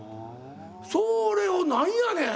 それを何やねん。